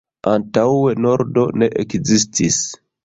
Antaŭe nordo ne ekzistis.